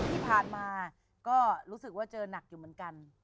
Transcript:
ที่ผ่านมาก็รู้สึกว่าเจอหนักอยู่เหมือนกัน